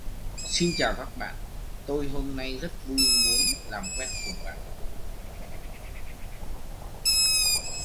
Bạn nối khố thường là bạn ăn cùng mâm, nằm cùng chiếu